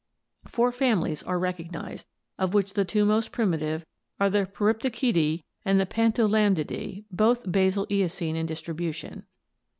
Four families are recognized, of which the two most primitive are the Periptychidae and the Pantolambdidae, both basal Eocene in distribution.